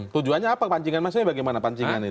tujuannya apa pancingan maksudnya bagaimana pancingan ini